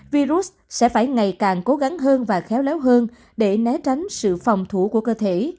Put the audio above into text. virus sẽ phải ngày càng cố gắng hơn và khéo léo hơn để né tránh sự phòng thủ của cơ thể